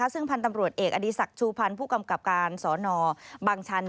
ซึ่งพันธ์ตำรวจเอกอดีศักดิ์ชูพันธ์ผู้กำกับการสนบางชัน